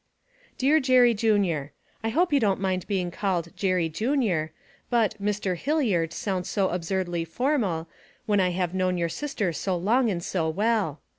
'DEAR JERRY JUNIOR: I hope you don't mind being called "Jerry Junior," but "Mr. Hilliard" sounds so absurdly formal, when I have known your sister so long and so well.